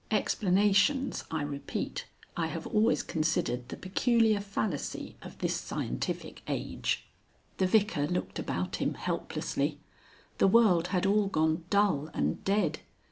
(Explanations, I repeat, I have always considered the peculiar fallacy of this scientific age.) The Vicar looked about him helplessly. The world had all gone dull and dead.